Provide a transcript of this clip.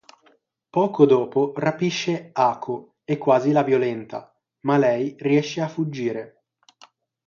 Poco dopo rapisce Ako e quasi la violenta, ma lei riesce a fuggire.